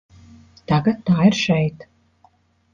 Tagad tā ir šeit.